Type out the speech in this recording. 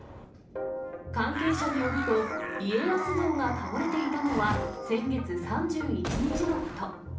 関係者によると、家康像が倒れていたのは、先月３１日のこと。